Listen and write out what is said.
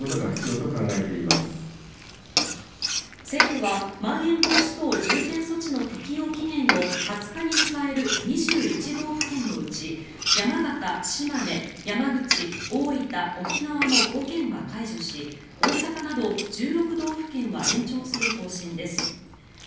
政府はまん延防止等重点措置の適用期限を２０日に迎える２１道府県のうち山形、島根、山口大分、沖縄の５県は解除し大阪など１６道府県は延長する方針です。